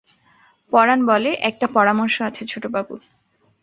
পরাণ বলে, একটা পরামর্শ আছে ছোটবাবু।